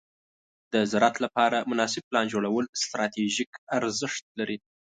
د زراعت لپاره مناسب پلان جوړول ستراتیژیک ارزښت لري.